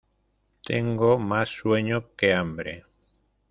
Tengo más sueño que hambre.